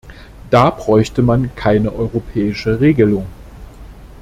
Da bräuchte man keine europäische Regelung.